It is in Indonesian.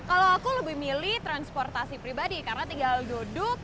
kalau aku lebih milih transportasi pribadi karena tinggal duduk